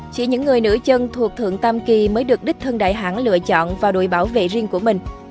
chỉ những người nửa chân thuộc thượng tam kỳ mới được đích thân đại hãng lựa chọn vào đội bảo vệ riêng của mình